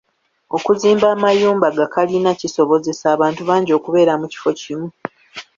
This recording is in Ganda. Okuzimba amayumba ga kalina kisobozesa abantu abangi okubeera mu kifo kimu.